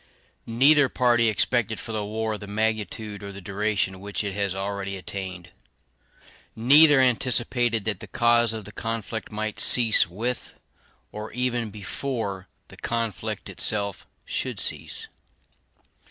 Neither party expected for the war the magnitude or the duration which it has already attained. Neither anticipated that the cause of the conflict might cease with, or even before, the conflict itself should cease.